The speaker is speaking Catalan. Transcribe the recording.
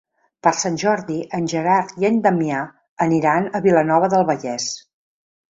Per Sant Jordi en Gerard i en Damià aniran a Vilanova del Vallès.